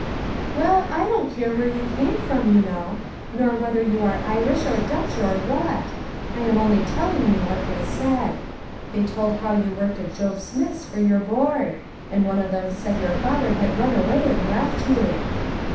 "Well, I don't care where you came from, you know. Nor whether you are Irish, or Dutch, or what ; I am only telling you what they said. They told how you worked at Job Smith's for your board ; and one of them said your father had run away and left you."